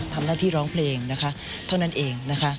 ทำหน้าที่ร้องเพลงนะคะเท่านั้นเองนะคะ